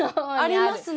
ありますね。